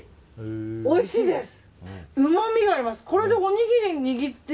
おいしいです！